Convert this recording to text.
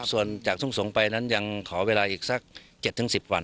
ส่วนจากทุ่งสงศ์ไปนั้นยังขอเวลาอีกสัก๗๑๐วัน